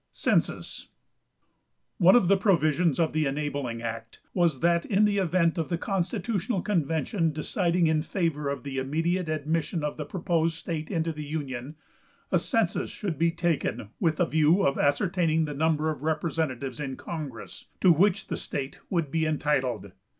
CENSUS. One of the provisions of the enabling act was that in the event of the constitutional convention deciding in favor of the immediate admission of the proposed state into the Union, a census should be taken with a view of ascertaining the number of representatives in congress to which the state would be entitled.